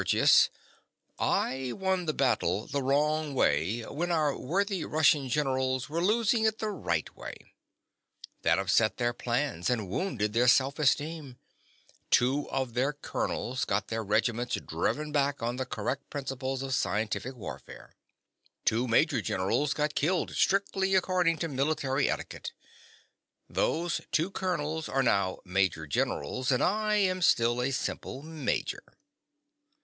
SERGIUS. I won the battle the wrong way when our worthy Russian generals were losing it the right way. That upset their plans, and wounded their self esteem. Two of their colonels got their regiments driven back on the correct principles of scientific warfare. Two major generals got killed strictly according to military etiquette. Those two colonels are now major generals; and I am still a simple major.